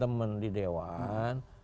teman teman di dewan